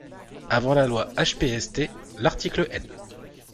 Avant la loi HPST, l’article L.